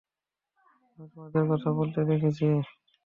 আমি তোমাদের কথা বলতে দেখেছি।